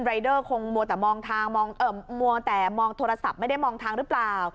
รายเดอร์คงมัวแต่มองโทรศัพท์ไม่ได้มองทางหรือเปล่า